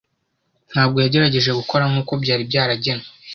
Ntabwo yagerageje gukora nkuko byari byaragenwe.